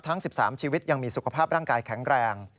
ทั้ง๑๓ชีวิตยังมีสุขภาพร่างกายแข็งแรง